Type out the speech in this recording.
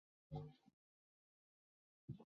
赤溪街道位于浙江省金华市兰溪市区西南部。